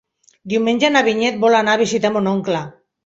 Diumenge na Vinyet vol anar a visitar mon oncle.